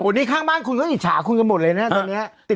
นี่ข้างบ้านคุณก็อิจฉาคุณกันหมดเลยนะตอนนี้